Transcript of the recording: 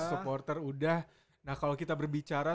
supporter sudah nah kalau kita berbicara